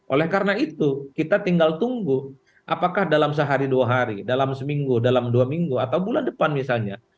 oleh karena itu kita tinggal tunggu apakah dalam sehari dua hari dalam seminggu dalam dua minggu atau bulan depan misalnya